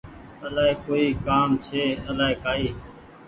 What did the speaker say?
آلآئي ڪوئي ڪآم ڇي آلآئي ڪآئي